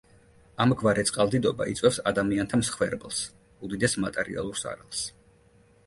ამგვარი წყალდიდობა იწვევს ადამიანთა მსხვერპლს, უდიდეს მატერიალურ ზარალს.